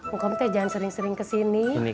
pokoknya jangan sering sering kesini